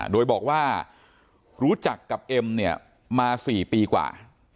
โดยบอกว่ารู้จักกับเอ็มเนี่ยมา๔ปีกว่า